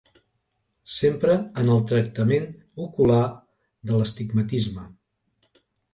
S'empra en el tractament ocular de l'astigmatisme.